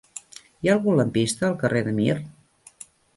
Hi ha algun lampista al carrer de Mir?